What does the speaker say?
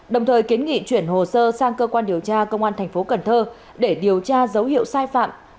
đồng thời kiến nghị chuyển hồ sơ sang cơ quan điều tra công an tp cnh để điều tra dấu hiệu sai phạm